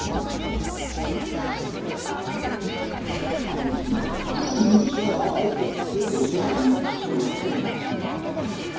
この日の部隊のミッションは、ロシア軍の基地を偵察すること。